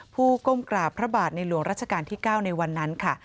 ก้มกราบพระบาทในหลวงราชการที่๙ในวันนั้นค่ะ